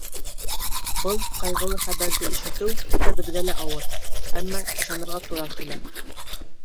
Был ҡайғылы хәбәрҙе ишетеү бөтәбеҙгә лә ауыр, әммә ышанырға тура килә.